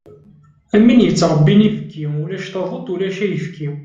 Am win yettrebbin ibki, ulac taduṭ ulac ayefki.